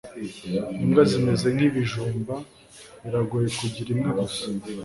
imbwa zimeze nk'ibijumba biragoye kugira imwe gusa